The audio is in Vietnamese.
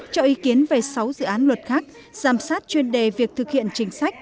cho ý kiến về sáu dự án luật khác giám sát chuyên đề việc thực hiện chính sách